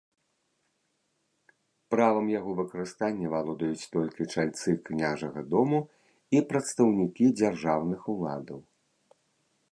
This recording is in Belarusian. Правам яго выкарыстання валодаюць толькі чальцы княжага дому і прадстаўнікі дзяржаўных уладаў.